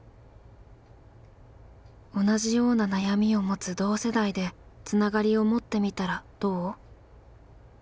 「同じような悩みを持つ同世代でつながりを持ってみたらどう？」。